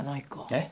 えっ？